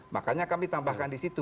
makanya kami tambahkan di situ